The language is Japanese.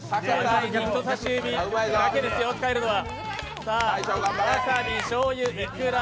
人さし指だけですよ、使えるのは。